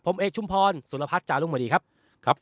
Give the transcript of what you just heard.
ผมเอกชุมพรสุรพัฒน์จาลุ้นมดีครับ